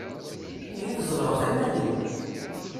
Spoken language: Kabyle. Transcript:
Ihi tzedɣeḍ iman-im?